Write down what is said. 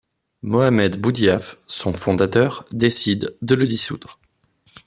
Mohamed Boudiaf, son fondateur, décide de le dissoudre.